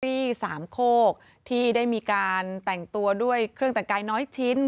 สามโคกที่ได้มีการแต่งตัวด้วยเครื่องแต่งกายน้อยชิ้น